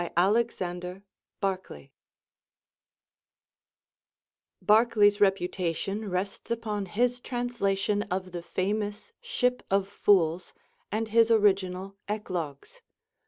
ALEXANDER BARCLAY (1475 1552) Barclay's reputation rests upon his translation of the famous 'Ship of Fools' and his original 'Eclogues.'